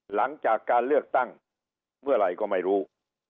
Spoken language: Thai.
หลังจากการเลือกตั้งเมื่อไหร่ก็ไม่รู้